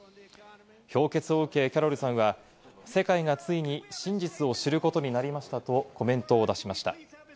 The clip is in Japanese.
評決を受けキャロルさんは世界がついに真実を知ることになりましたとコメントを出しました。